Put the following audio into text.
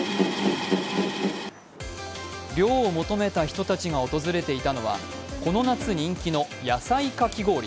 涼を求めた人たちが訪れていたのはこの夏、人気の野菜かき氷。